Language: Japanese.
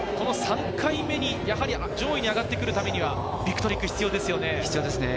３本目に４位に上がってくるためにはビッグトリック必要ですね。